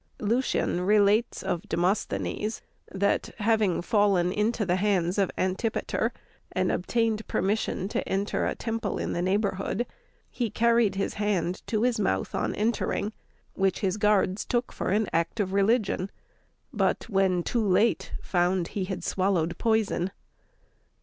Lucian relates of Demosthenes that, having fallen into the hands of Antipater and obtained permission to enter a temple in the neighborhood, he carried his hand to his mouth on entering, which his guards took for an act of religion, but, when too late, found he had swallowed poison.